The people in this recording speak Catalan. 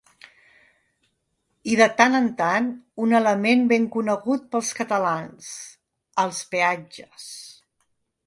I de tant en tant, un element ben conegut pels catalans: els peatges.